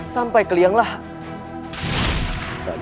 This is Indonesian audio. sampai ke liang lahat